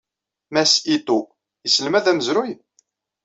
Mass Ito yesselmad amezruy?